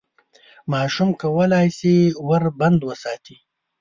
ماشوم کولای شي ور بند وساتي.